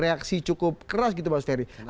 reaksi cukup keras gitu mas ferry